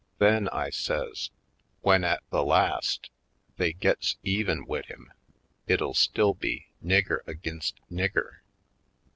Then," I says, "w'en, at the last, they gits even wid him it'll still be nigger ag'inst nigger.